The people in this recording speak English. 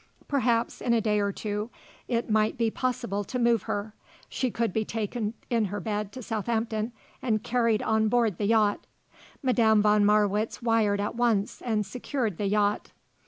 Perhaps, in a day or two, it might be possible to move her. She could be taken in her bed to Southampton and carried on board the yacht. Madame von Marwitz wired at once and secured the yacht.